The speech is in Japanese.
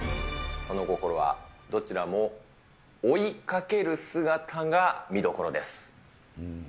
そのこころは、どちらもおいかける姿が見どころです。